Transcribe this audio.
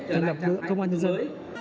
về lực lượng công an nhân dân